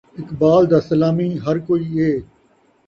اقبال دا سلامی ہر کوئی اے